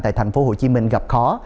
tại thành phố hồ chí minh gặp khó